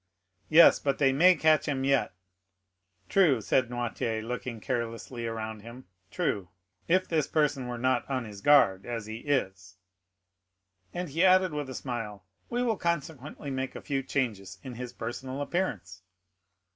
"Yes; but they may catch him yet." "True," said Noirtier, looking carelessly around him, "true, if this person were not on his guard, as he is;" and he added with a smile, "He will consequently make a few changes in his personal appearance."